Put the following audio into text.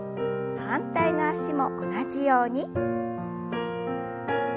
反対の脚も同じように。